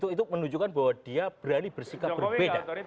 itu menunjukkan bahwa dia berani bersikap berbeda